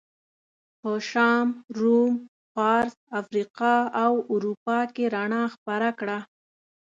په شام، روم، فارس، افریقا او اروپا کې رڼا خپره کړه.